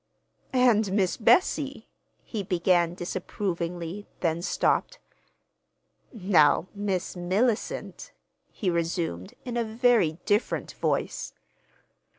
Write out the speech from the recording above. "And Miss Bessie—" he began disapprovingly, then stopped. "Now, Miss Mellicent—" he resumed, in a very different voice.